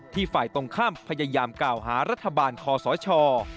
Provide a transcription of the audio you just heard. ฝ่ายตรงข้ามพยายามกล่าวหารัฐบาลคอสช